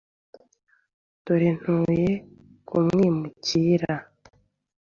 Dore ntuye nkumwimukira